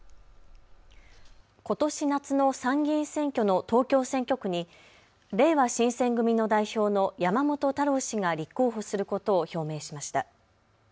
ことし夏の参議院選挙の東京選挙区にれいわ新選組の代表の山本太郎氏が立候補することを表明しました。